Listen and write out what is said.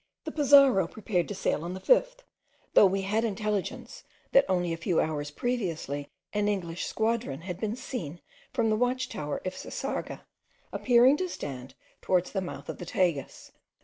The Pizarro prepared to sail on the 5th, though we had intelligence that only a few hours previously an English squadron had been seen from the watch tower of Sisarga, appearing to stand towards the mouth of the Tagus.